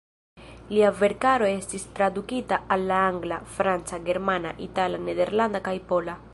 Lia verkaro estis tradukita al la angla, franca, germana, itala, nederlanda kaj pola.